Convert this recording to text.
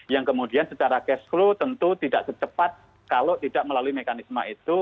yang kemudian secara cash flow tentu tidak secepat kalau tidak melalui mekanisme itu